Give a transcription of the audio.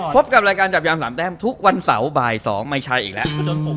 พบกับรายการจับยาม๓แต้มทุกวันเสาร์บ่าย๒ไม่ใช่อีกแล้ว